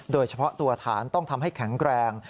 โดยเฉพาะตัวฐานต้องทำให้แข็งแรง